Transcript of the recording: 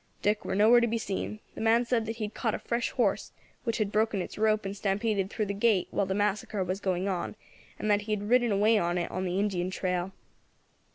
Dick war nowhere to be seen; the man said that he had caught a fresh horse, which had broken its rope and stampeded through the gate while the massacre was going on, and that he had ridden away on it on the Indian trail.